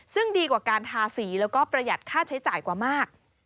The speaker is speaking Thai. ซึ่งดีกว่าการทาสีแล้วก็ประหยัดค่าใช้จ่ายกว่ามาก